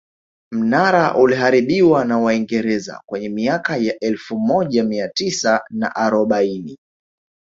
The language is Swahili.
Mnara uliharibiwa na waingereza kwenye miaka ya elfu moja mia tisa na arobaini